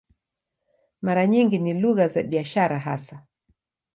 Mara nyingi ni lugha za biashara hasa.